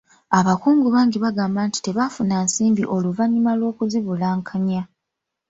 Abakungu bangi bagamba nti tebaafuna nsimbi oluvannyuma lw'okuzibulankanya.